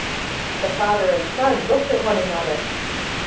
The father and son looked at one another.